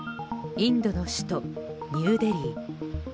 インドの首都、ニューデリー。